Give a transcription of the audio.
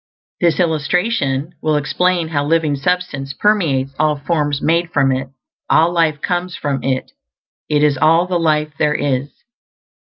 This illustration will explain how Living Substance permeates all forms made from It; all life comes from It; it is all the life there is.